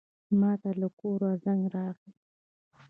ماته له کوره زنګ راغی.